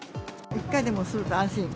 １回でもすると安心。